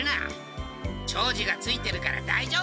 長次がついてるからだいじょうぶさ。